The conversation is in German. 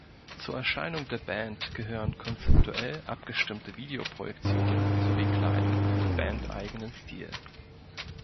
Zur Erscheinung der Band gehören konzeptuell abgestimmte Videoprojektionen sowie Kleidung im bandeigenen Stil.